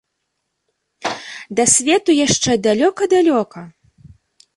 Да свету яшчэ далёка-далёка!